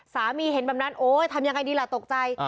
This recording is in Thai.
สามีเห็นแบบนั้นโอ้ทำอย่างไรดีแหละตกใจ